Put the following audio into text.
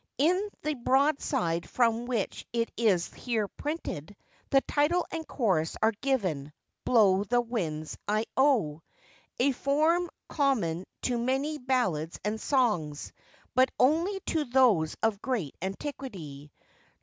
In the broadside from which it is here printed, the title and chorus are given, Blow the Winds, I O, a form common to many ballads and songs, but only to those of great antiquity.